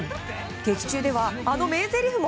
劇中では、あの名ぜりふも。